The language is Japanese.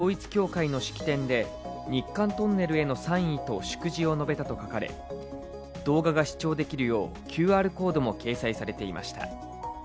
ビラには旧統一教会の式典で日韓トンネルへの賛意と祝辞を述べたと書かれ、動画が視聴できるようＱＲコードも掲載されていました。